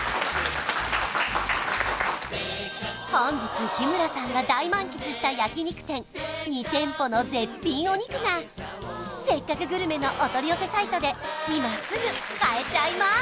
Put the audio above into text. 本日日村さんが大満喫した焼肉店２店舗の絶品お肉が「せっかくグルメ！！」のお取り寄せサイトで今すぐ買えちゃいます！